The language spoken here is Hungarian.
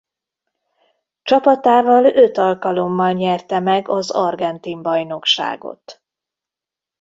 Csapatával öt alkalommal nyerte meg az argentin bajnokságot.